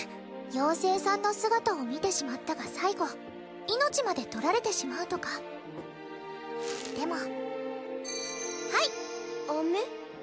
ようせいさんの姿を見てしまったが最後命までとられてしまうとかでもはいアメ？